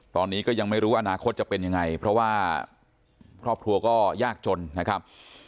ตอนนี้ก็ยังไม่รู้อนาคตจะเป็นยังไงเพราะว่าครอบครัวก็ยากจนนะครับ